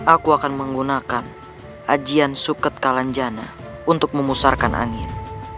aku akan menggunakan ajian suket kalanjana untuk memusarkan angin